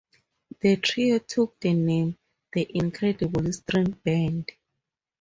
The trio took the name "the Incredible String Band".